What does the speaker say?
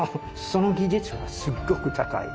その技術がすっごく高い。